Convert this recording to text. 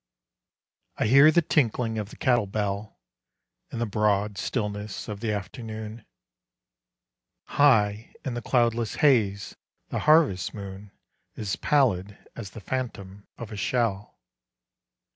_) I hear the tinkling of the cattle bell, In the broad stillness of the afternoon; High in the cloudless haze the harvest moon Is pallid as the phantom of a shell.